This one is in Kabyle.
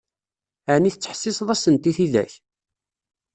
Ɛni tettḥessiseḍ-asent i tidak?